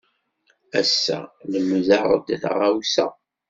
Ass-a, lemdeɣ-d taɣawsa.